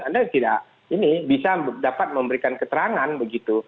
anda tidak ini bisa dapat memberikan keterangan begitu